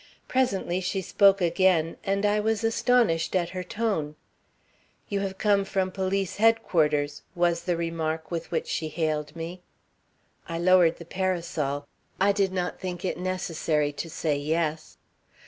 Presently she spoke again, and I was astonished at her tone: 'You have come from Police Headquarters,' was the remark with which she hailed me. "I lowered the parasol. I did not think it necessary to say yes.